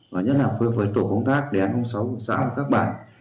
và nhất là phối hợp với tổ công tác đề án sáu giã của các bạn